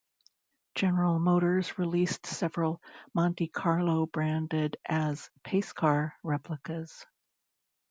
General Motors released several Monte Carlos branded as "Pace Car" replicas.